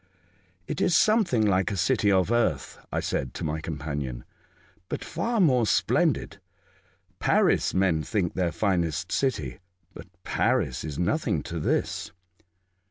''It is something like a city of earth," I said to my companion, "but far more splendid. Paris, men think their finest city, but Paris is nothing to this."